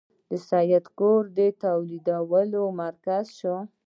د سید کور د ټولېدلو مرکز شي.